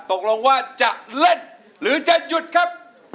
ตกลงว่าจะเล่นหรือจะหยุดครับ